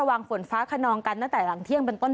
ฮัลโหลฮัลโหลฮัลโหลฮัลโหล